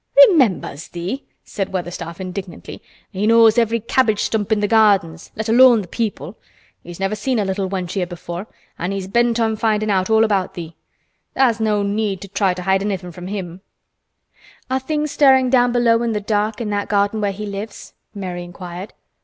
"Remembers thee!" said Weatherstaff indignantly. "He knows every cabbage stump in th' gardens, let alone th' people. He's never seen a little wench here before, an' he's bent on findin' out all about thee. Tha's no need to try to hide anything from him." "Are things stirring down below in the dark in that garden where he lives?" Mary inquired.